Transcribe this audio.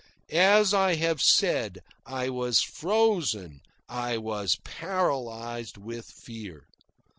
As I have said, I was frozen, I was paralysed, with fear.